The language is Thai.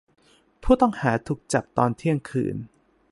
ผู้ต้องหาถูกจับตอนเที่ยงคืน